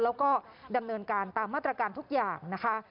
แล้วก็ดำเนินการตามมาตรการทุกอย่างนะคะ